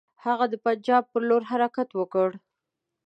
هغه د پنجاب پر لور حرکت وکړ.